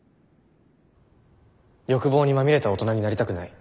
欲望にまみれた大人になりたくない。